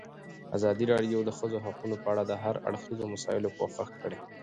ازادي راډیو د د ښځو حقونه په اړه د هر اړخیزو مسایلو پوښښ کړی.